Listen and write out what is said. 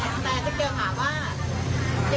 แต่ถ้าเกลียวหาว่า